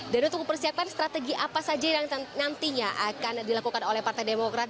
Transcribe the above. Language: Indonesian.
dan untuk persiapkan strategi apa saja yang nantinya akan dilakukan oleh partai demokrat